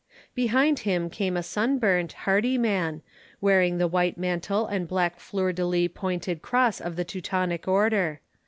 Behind him came a sunburnt, hardy man, wearing the white mantle and black fleur de lis pointed cross of the Teutonic Order.